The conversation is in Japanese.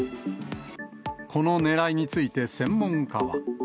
このねらいについて、専門家は。